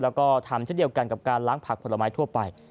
แล้วก็ทำเช่นเดียวกันกับการล้างผักผลไม้ทั่วไป